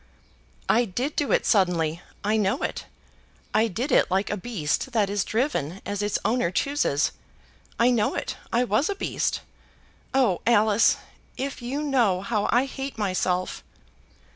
"I did do it suddenly. I know it. I did it like a beast that is driven as its owner chooses. I know it. I was a beast. Oh, Alice, if you know how I hate myself!"